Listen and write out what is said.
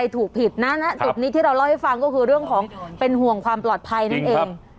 ถูกผิดนะจุดนี้ที่เราเล่าให้ฟังก็คือเรื่องของเป็นห่วงความปลอดภัยนั่นเอง